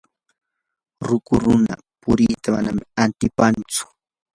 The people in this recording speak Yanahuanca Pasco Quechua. ruku runa purita manam atipanchu.